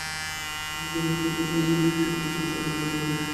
আমি দিনের পর দিন এই ব্যক্তির নিকট যাইতে লাগিলাম।